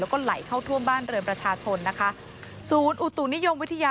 แล้วก็ไหลเข้าทั่วบ้านเรือนประชาชนนะคะ